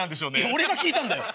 俺が聞いたんだよ。